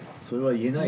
言えない。